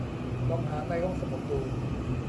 ลองหาในห้องสมุดดู